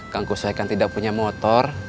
kangkusoy kan tidak punya motor